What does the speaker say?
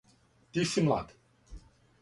Ти си млад.